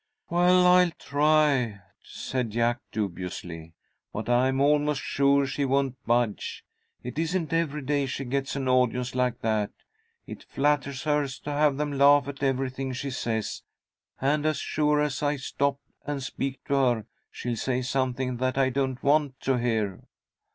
"Well, I'll try," said Jack, dubiously, "but I'm almost sure she won't budge. It isn't every day she gets an audience like that. It flatters her to have them laugh at everything she says, and as sure as I stop and speak to her she'll say something that I don't want to hear."